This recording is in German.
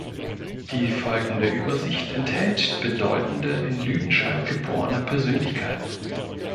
Die folgende Übersicht enthält bedeutende in Lüdenscheid geborene Persönlichkeiten.